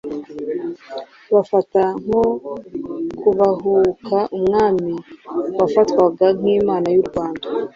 bafata nko kubahuka umwami wafatwaga nk’Imana mu Rwanda.